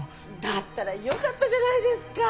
だったらよかったじゃないですか！